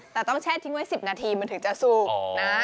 แต่ต้องแช่ทิ้งไว้๑๐นาทีมันถึงจะสุกนะ